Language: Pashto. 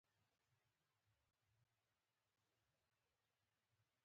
هر مظلوم ئې د حق یو ښکاره او عیني استدلال دئ